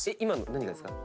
何がですか？